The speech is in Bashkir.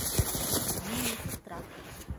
Мин медсестра!